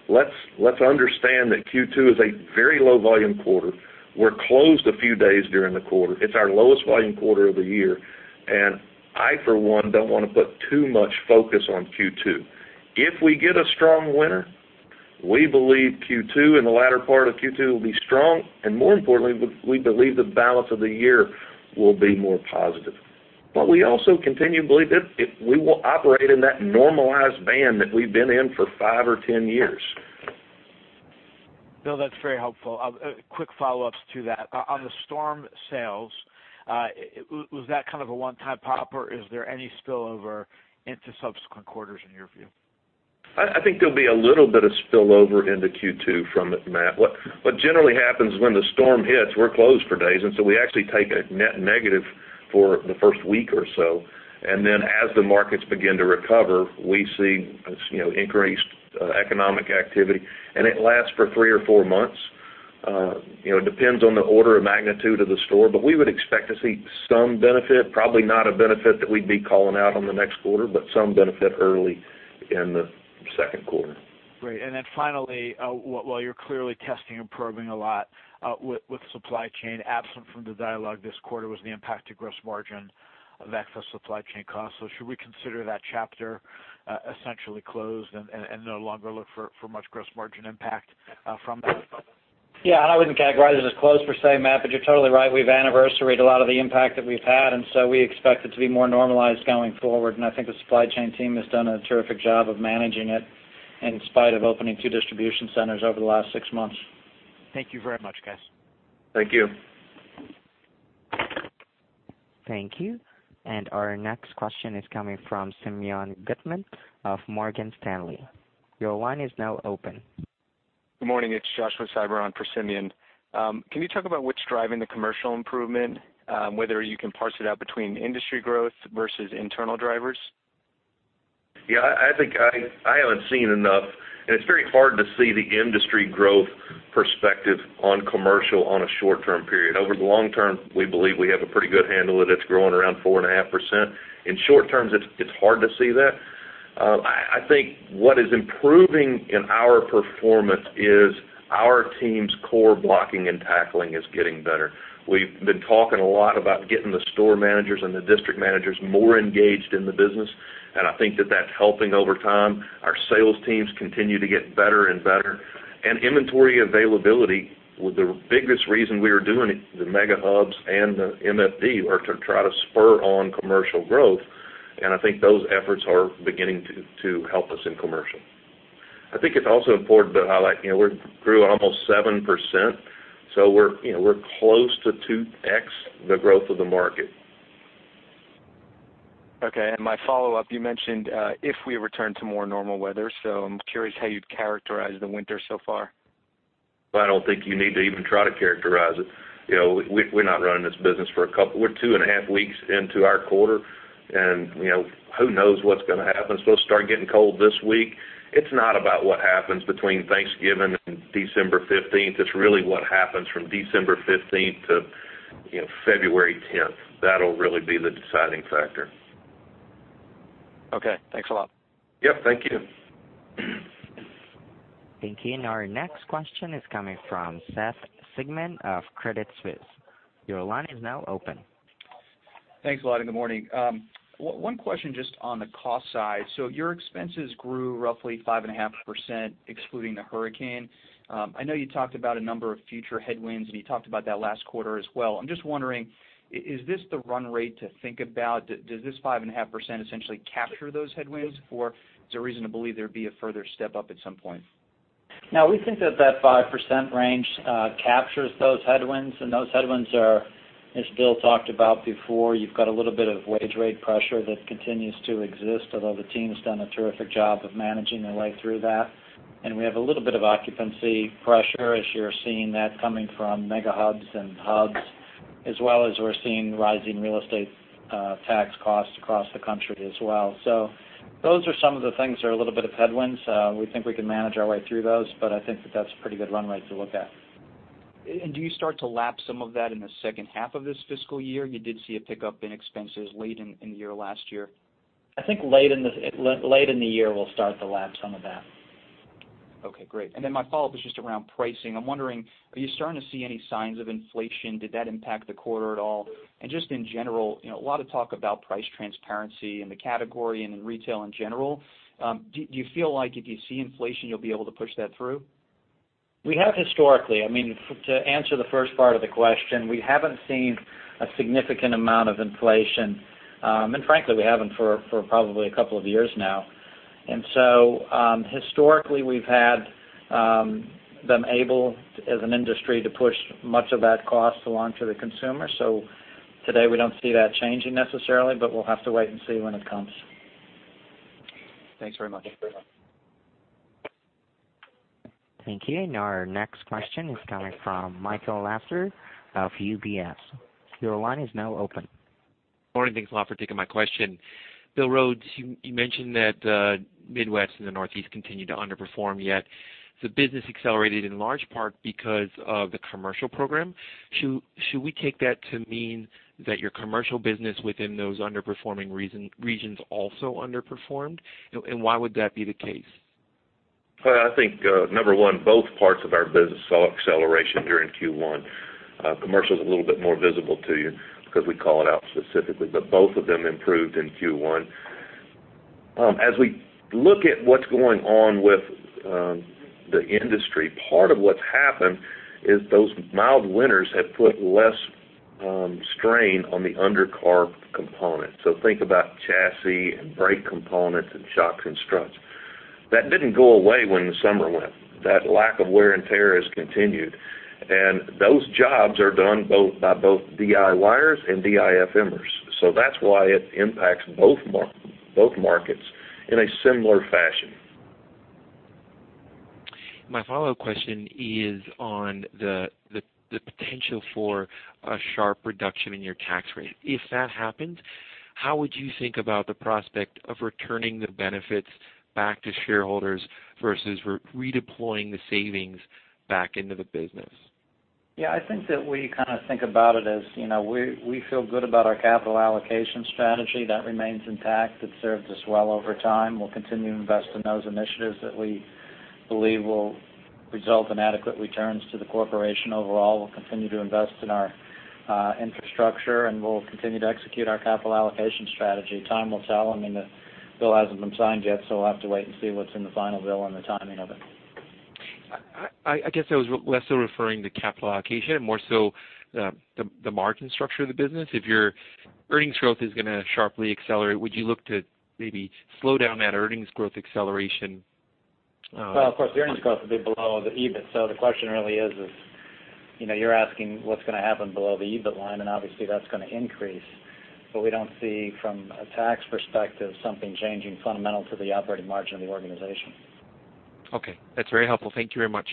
let's understand that Q2 is a very low volume quarter. We're closed a few days during the quarter. It's our lowest volume quarter of the year, and I, for one, don't want to put too much focus on Q2. If we get a strong winter, we believe Q2 and the latter part of Q2 will be strong. More importantly, we believe the balance of the year will be more positive. We also continue to believe that we will operate in that normalized band that we've been in for five or 10 years. Bill, that's very helpful. A quick follow-ups to that. On the storm sales, was that kind of a one-time pop, or is there any spillover into subsequent quarters in your view? I think there'll be a little bit of spillover into Q2 from it, Matt. What generally happens when the storm hits, we're closed for days. So we actually take a net negative for the first week or so. As the markets begin to recover, we see increased economic activity, and it lasts for three or four months. It depends on the order of magnitude of the storm. We would expect to see some benefit, probably not a benefit that we'd be calling out on the next quarter, but some benefit early in the second quarter. Finally, while you're clearly testing and probing a lot with supply chain, absent from the dialogue this quarter was the impact to gross margin of excess supply chain costs. Should we consider that chapter essentially closed and no longer look for much gross margin impact from that? I wouldn't characterize it as closed per se, Matt, you're totally right. We've anniversaried a lot of the impact that we've had, we expect it to be more normalized going forward. I think the supply chain team has done a terrific job of managing it in spite of opening two distribution centers over the last six months. Thank you very much, guys. Thank you. Thank you. Our next question is coming from Simeon Gutman of Morgan Stanley. Your line is now open. Good morning. It's Joshua Siber on for Simeon. Can you talk about what's driving the commercial improvement, whether you can parse it out between industry growth versus internal drivers? Yeah, I haven't seen enough. It's very hard to see the industry growth perspective on commercial on a short-term period. Over the long term, we believe we have a pretty good handle that it's growing around 4.5%. In short terms, it's hard to see that. I think what is improving in our performance is our team's core blocking and tackling is getting better. We've been talking a lot about getting the store managers and the district managers more engaged in the business, and I think that that's helping over time. Our sales teams continue to get better and better. Inventory availability was the biggest reason we were doing the mega hubs and the MFD were to try to spur on commercial growth, and I think those efforts are beginning to help us in commercial. I think it's also important to highlight we grew almost 7%, so we're close to 2X the growth of the market. Okay, my follow-up, you mentioned if we return to more normal weather, I'm curious how you'd characterize the winter so far. I don't think you need to even try to characterize it. We're not running this business. We're two and a half weeks into our quarter, who knows what's going to happen. It's supposed to start getting cold this week. It's not about what happens between Thanksgiving and December 15th. It's really what happens from December 15th to February 10th. That'll really be the deciding factor. Okay. Thanks a lot. Yep. Thank you. Thank you. Our next question is coming from Seth Sigman of Credit Suisse. Your line is now open. Thanks a lot, and good morning. One question just on the cost side. Your expenses grew roughly 5.5% excluding the hurricane. I know you talked about a number of future headwinds, and you talked about that last quarter as well. I'm just wondering, is this the run rate to think about? Does this 5.5% essentially capture those headwinds, or is there reason to believe there'd be a further step up at some point? No, we think that that 5% range captures those headwinds. Those headwinds are, as Bill talked about before, you've got a little bit of wage rate pressure that continues to exist, although the team's done a terrific job of managing their way through that. We have a little bit of occupancy pressure as you're seeing that coming from mega hubs and hubs, as well as we're seeing rising real estate tax costs across the country as well. Those are some of the things that are a little bit of headwinds. We think we can manage our way through those, I think that that's a pretty good run rate to look at. Do you start to lap some of that in the second half of this fiscal year? You did see a pickup in expenses late in the year last year. I think late in the year, we'll start to lap some of that. Okay, great. My follow-up is just around pricing. I'm wondering, are you starting to see any signs of inflation? Did that impact the quarter at all? Just in general, a lot of talk about price transparency in the category and in retail in general. Do you feel like if you see inflation, you'll be able to push that through? We have historically. To answer the first part of the question, we haven't seen a significant amount of inflation. Frankly, we haven't for probably a couple of years now. Historically, we've had them able, as an industry, to push much of that cost along to the consumer. Today we don't see that changing necessarily, we'll have to wait and see when it comes. Thanks very much. Thank you. Our next question is coming from Michael Lasser of UBS. Your line is now open. Morning. Thanks a lot for taking my question. Bill Rhodes, you mentioned that Midwest and the Northeast continue to underperform, yet the business accelerated in large part because of the commercial program. Should we take that to mean that your commercial business within those underperforming regions also underperformed? Why would that be the case? I think, number one, both parts of our business saw acceleration during Q1. Commercial is a little bit more visible to you because we call it out specifically, but both of them improved in Q1. As we look at what's going on with the industry, part of what's happened is those mild winters have put less strain on the undercar component. Think about chassis and brake components and shocks and struts. That didn't go away when the summer went. That lack of wear and tear has continued, and those jobs are done by both DIYers and DIFMs. That's why it impacts both markets in a similar fashion. My follow-up question is on the potential for a sharp reduction in your tax rate. If that happens, how would you think about the prospect of returning the benefits back to shareholders versus redeploying the savings back into the business? Yeah, I think that we kind of think about it as, we feel good about our capital allocation strategy. That remains intact. It serves us well over time. We'll continue to invest in those initiatives that we believe will result in adequate returns to the corporation overall. We'll continue to invest in our infrastructure, and we'll continue to execute our capital allocation strategy. Time will tell, I mean, the bill hasn't been signed yet, so we'll have to wait and see what's in the final bill and the timing of it. I guess I was less so referring to capital allocation and more so the margin structure of the business. If your earnings growth is going to sharply accelerate, would you look to maybe slow down that earnings growth acceleration? Well, of course, the earnings growth will be below the EBIT. The question really is, you're asking what's going to happen below the EBIT line, and obviously that's going to increase. We don't see from a tax perspective, something changing fundamental to the operating margin of the organization. Okay. That's very helpful. Thank you very much.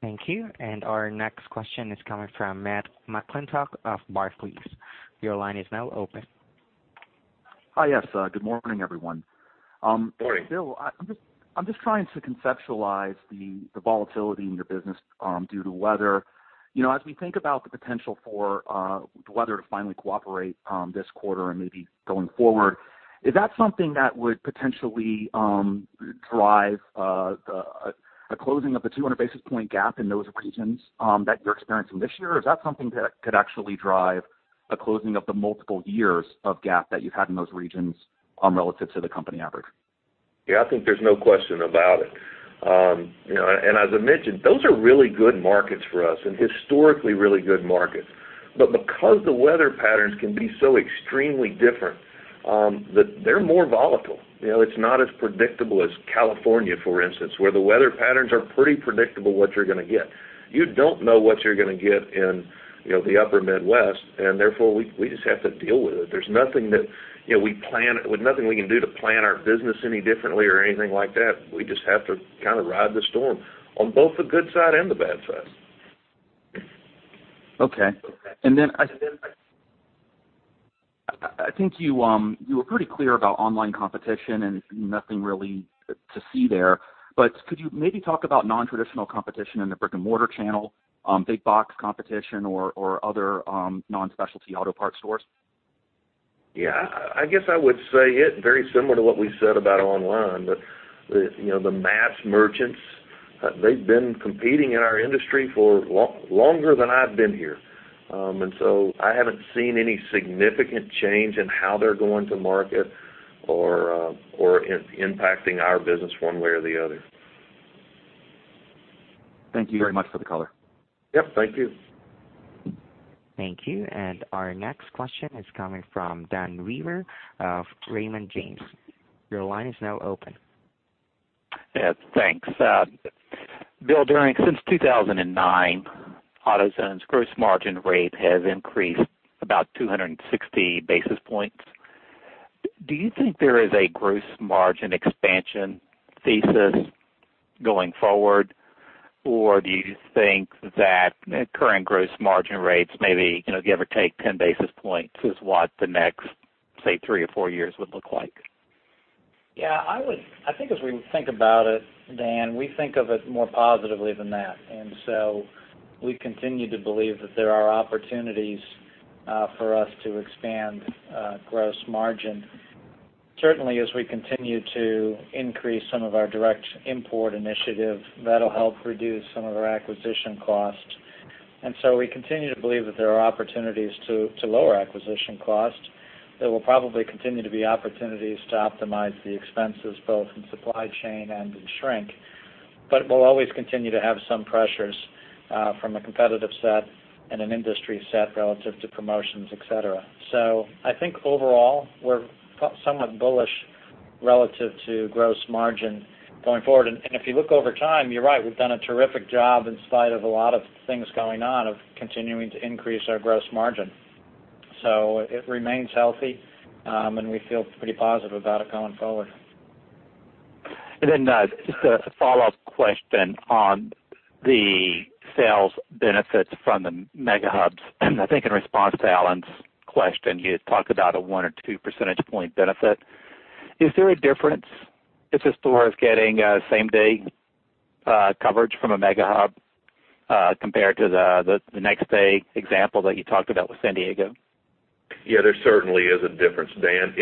Thank you. Our next question is coming from Matthew McClintock of Barclays. Your line is now open. Hi, yes. Good morning, everyone. Morning. Bill, I'm just trying to conceptualize the volatility in your business due to weather. As we think about the potential for the weather to finally cooperate this quarter and maybe going forward, is that something that would potentially drive a closing of the 200 basis point gap in those regions that you're experiencing this year? Or is that something that could actually drive a closing of the multiple years of gap that you've had in those regions relative to the company average? Yeah, I think there's no question about it. As I mentioned, those are really good markets for us and historically really good markets. Because the weather patterns can be so extremely different, they're more volatile. It's not as predictable as California, for instance, where the weather patterns are pretty predictable what you're going to get. You don't know what you're going to get in the upper Midwest, therefore, we just have to deal with it. There's nothing we can do to plan our business any differently or anything like that. We just have to kind of ride the storm on both the good side and the bad side. Okay. I think you were pretty clear about online competition and nothing really to see there. Could you maybe talk about non-traditional competition in the brick-and-mortar channel, big box competition or other non-specialty auto parts stores? Yeah. I guess I would say it very similar to what we said about online, the mass merchants, they've been competing in our industry for longer than I've been here. I haven't seen any significant change in how they're going to market or impacting our business one way or the other. Thank you very much for the color. Yep. Thank you. Thank you. Our next question is coming from Dan Wewer of Raymond James. Your line is now open. Yeah. Thanks. Bill, since 2009, AutoZone's gross margin rate has increased about 260 basis points. Do you think there is a gross margin expansion thesis going forward? Or do you think that current gross margin rates, maybe, give or take 10 basis points is what the next, say, three or four years would look like? Yeah, I think as we think about it, Dan, we think of it more positively than that. We continue to believe that there are opportunities for us to expand gross margin. Certainly, as we continue to increase some of our direct import initiative, that'll help reduce some of our acquisition costs. We continue to believe that there are opportunities to lower acquisition costs. There will probably continue to be opportunities to optimize the expenses both in supply chain and in shrink. We'll always continue to have some pressures from a competitive set and an industry set relative to promotions, et cetera. I think overall, we're somewhat bullish relative to gross margin going forward. If you look over time, you're right. We've done a terrific job in spite of a lot of things going on, of continuing to increase our gross margin. It remains healthy, and we feel pretty positive about it going forward. Just a follow-up question on the sales benefits from the Mega Hubs. I think in response to Alan's question, you talked about a one or two percentage point benefit. Is there a difference if a store is getting same-day coverage from a Mega Hub compared to the next day example that you talked about with San Diego? Yeah, there certainly is a difference, Dan.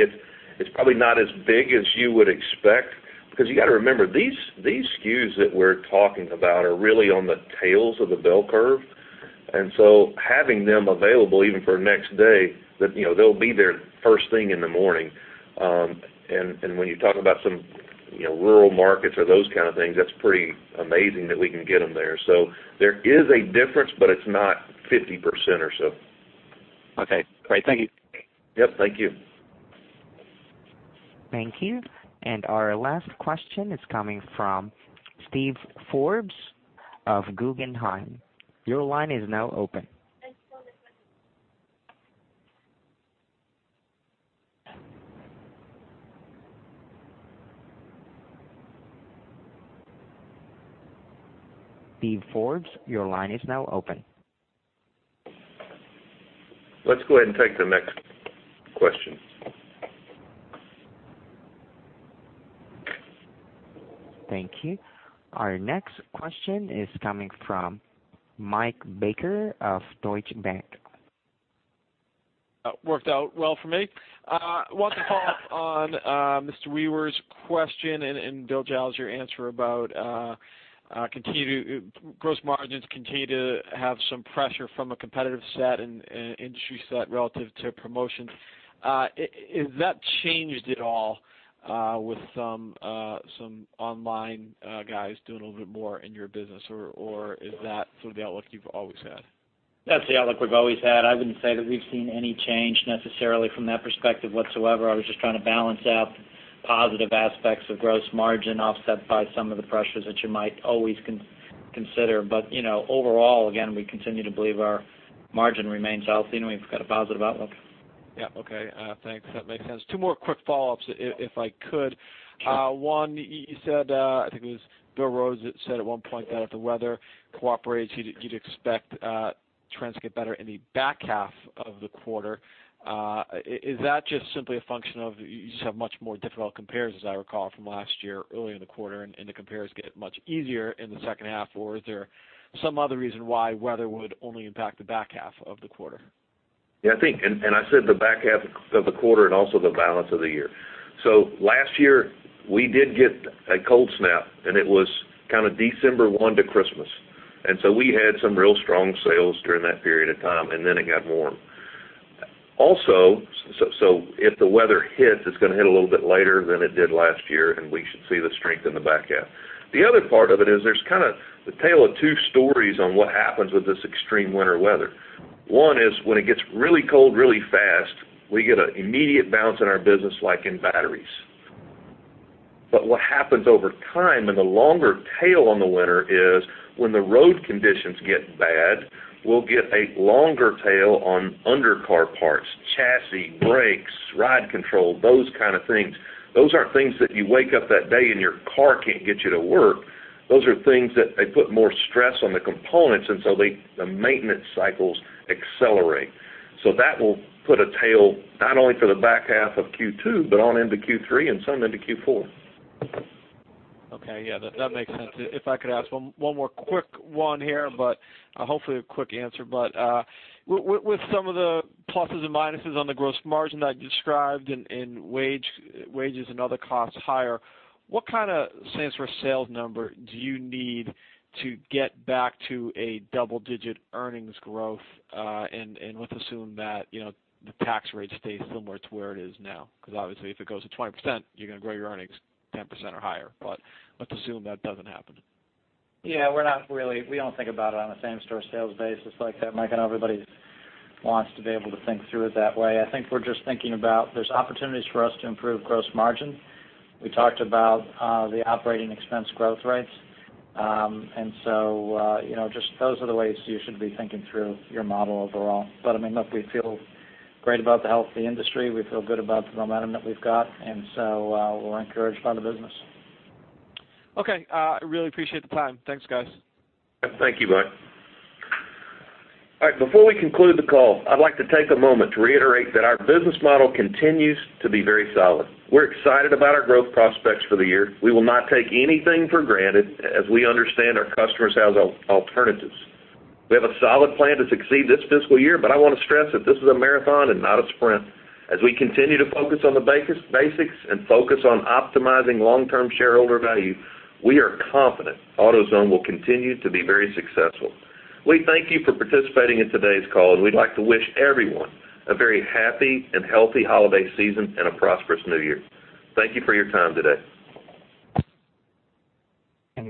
It's probably not as big as you would expect because you got to remember, these SKUs that we're talking about are really on the tails of the bell curve. Having them available even for next day, they'll be there first thing in the morning. When you talk about some rural markets or those kind of things, that's pretty amazing that we can get them there. There is a difference, but it's not 50% or so. Okay, great. Thank you. Yep, thank you. Thank you. Our last question is coming from Steven Forbes of Guggenheim. Your line is now open. Steven Forbes, your line is now open. Let's go ahead and take the next question. Thank you. Our next question is coming from Michael Baker of Deutsche Bank. That worked out well for me. I want to follow up on Mr. Wewer's question and Bill Giles, your answer about gross margins continue to have some pressure from a competitive set and industry set relative to promotions. Has that changed at all with some online guys doing a little bit more in your business? Or is that sort of the outlook you've always had? That's the outlook we've always had. I wouldn't say that we've seen any change necessarily from that perspective whatsoever. I was just trying to balance out positive aspects of gross margin offset by some of the pressures that you might always consider. Overall, again, we continue to believe our margin remains healthy and we've got a positive outlook. Yeah. Okay. Thanks. That makes sense. Two more quick follow-ups, if I could. One, you said, I think it was Bill Rhodes that said at one point that if the weather cooperates, you'd expect trends to get better in the back half of the quarter. Is that just simply a function of you just have much more difficult compares, as I recall from last year, early in the quarter, and the compares get much easier in the second half? Or is there some other reason why weather would only impact the back half of the quarter? Yeah, I think, I said the back half of the quarter and also the balance of the year. Last year, we did get a cold snap, and it was kind of December 1 to Christmas. We had some real strong sales during that period of time, and then it got warm. If the weather hits, it's going to hit a little bit later than it did last year, and we should see the strength in the back half. The other part of it is there's kind of the tale of two stories on what happens with this extreme winter weather. One is when it gets really cold really fast, we get an immediate bounce in our business, like in batteries. What happens over time and the longer tail on the winter is when the road conditions get bad, we'll get a longer tail on undercar parts, chassis, brakes, ride control, those kind of things. Those aren't things that you wake up that day and your car can't get you to work. Those are things that they put more stress on the components, the maintenance cycles accelerate. That will put a tail not only for the back half of Q2, but on into Q3 and some into Q4. Okay. Yeah, that makes sense. If I could ask one more quick one here, hopefully a quick answer. With some of the pluses and minuses on the gross margin that you described and wages and other costs higher, what kind of same-store sales number do you need to get back to a double-digit earnings growth? Let's assume that the tax rate stays similar to where it is now, because obviously, if it goes to 20%, you're going to grow your earnings 10% or higher. Let's assume that doesn't happen. Yeah, we don't think about it on a same-store sales basis like that, Mike. I know everybody wants to be able to think through it that way. I think we're just thinking about there's opportunities for us to improve gross margin. We talked about the operating expense growth rates. Just those are the ways you should be thinking through your model overall. Look, we feel great about the health of the industry. We feel good about the momentum that we've got, we're encouraged by the business. Okay. I really appreciate the time. Thanks, guys. Thank you, Mike. All right. Before we conclude the call, I'd like to take a moment to reiterate that our business model continues to be very solid. We're excited about our growth prospects for the year. We will not take anything for granted as we understand our customers have alternatives. We have a solid plan to succeed this fiscal year, I want to stress that this is a marathon and not a sprint. We continue to focus on the basics and focus on optimizing long-term shareholder value, we are confident AutoZone will continue to be very successful. We thank you for participating in today's call, we'd like to wish everyone a very happy and healthy holiday season and a prosperous new year. Thank you for your time today.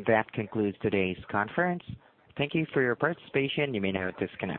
That concludes today's conference. Thank you for your participation. You may now disconnect.